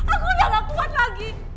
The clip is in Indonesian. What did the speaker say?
aku udah gak kuat lagi